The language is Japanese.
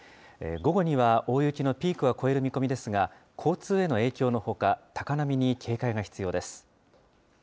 午後には、大雪のピークは越える見込みですが、交通への影響のほか、高波に警戒が必要です。